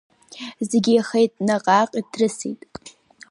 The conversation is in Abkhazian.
Зегь еихеит, наҟ-ааҟ иҭрысит.